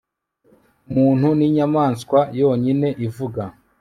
Umuntu ninyamaswa yonyine ivuga